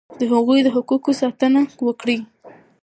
د هغوی د حقوقو ساتنه وکړئ.